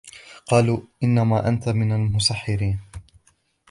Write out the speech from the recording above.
قالوا إنما أنت من المسحرين